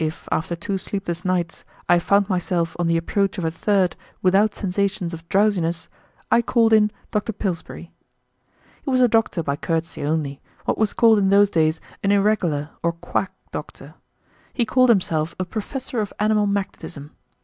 If after two sleepless nights I found myself on the approach of the third without sensations of drowsiness, I called in Dr. Pillsbury. He was a doctor by courtesy only, what was called in those days an "irregular" or "quack" doctor. He called himself a "Professor of Animal Magnetism."